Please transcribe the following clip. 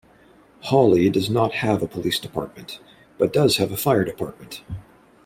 Hawley does not have a police department, but does have a fire department.